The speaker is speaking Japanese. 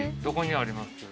どこにあります？